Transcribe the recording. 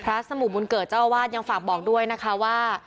สมุบุญเกิดเจ้าอาวาสยังฝากบอกด้วยนะคะว่า